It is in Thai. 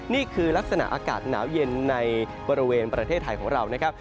นี่คือลักษณะอากาศหนาวเย็นในบริเวณประเทศไทยของเรานะครับ